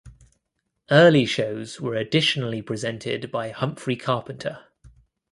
Early shows were additionally presented by Humphrey Carpenter.